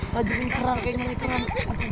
tajam ini serang kayak nyari kerang